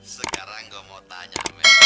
sekarang gue mau tanya